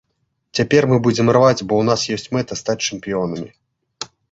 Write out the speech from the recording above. Цяпер мы будзем рваць, бо ў нас ёсць мэта стаць чэмпіёнамі.